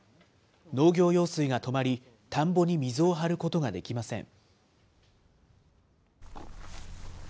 農業用水が止まり、田んぼに水を張ることができません。